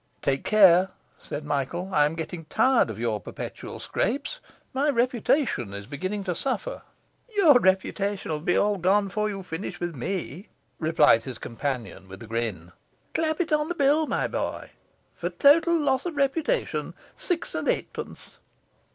'Take care,' said Michael. 'I am getting tired of your perpetual scrapes; my reputation is beginning to suffer.' 'Your reputation will be all gone before you finish with me,' replied his companion with a grin. 'Clap it in the bill, my boy. "For total loss of reputation, six and eightpence."